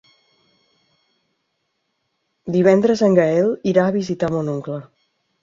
Divendres en Gaël irà a visitar mon oncle.